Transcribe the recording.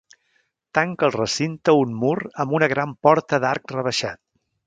Tanca el recinte un mur amb una gran porta d'arc rebaixat.